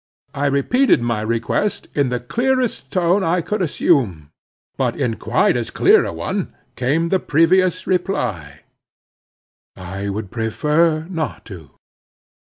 I repeated my request in the clearest tone I could assume. But in quite as clear a one came the previous reply, "I would prefer not to."